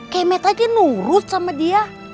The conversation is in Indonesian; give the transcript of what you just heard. tapi matanya nurut sama dia